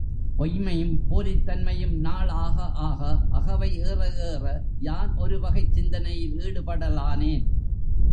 பொய்ம்மையும் போலித் தன்மையும் நாள் ஆக ஆக, அகவை ஏற ஏற யான் ஒரு வகைச் சிந்தனையில் ஈடுபடலானேன்.